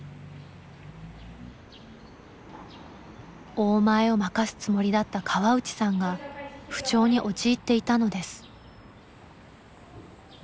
「大前」を任すつもりだった河内さんが不調に陥っていたのです。